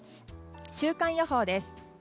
週間予報です。